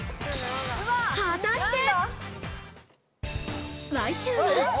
果たして？